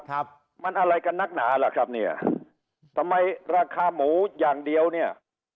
ครับมันอะไรกันนักหนาล่ะครับเนี่ยทำไมราคาหมูอย่างเดียวเนี่ย